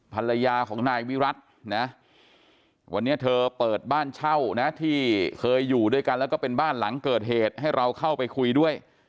ภรรยาของนายวิรัตินะวันนี้เธอเปิดบ้านเช่านะที่เคยอยู่ด้วยกันแล้วก็เป็นบ้านหลังเกิดเหตุให้เราเข้าไปคุยด้วย